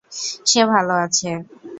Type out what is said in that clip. সে ভাল আছে।